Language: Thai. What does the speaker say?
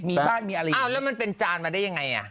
มีบ้านมีอะไรอ้าวแล้วมันเป็นจานมาได้ยังไงอ่ะ